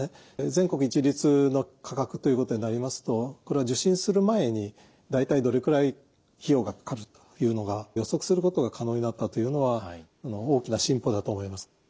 全国一律の価格ということになりますとこれは受診する前に大体どれくらい費用がかかるというのが予測することが可能になったというのは大きな進歩だと思います。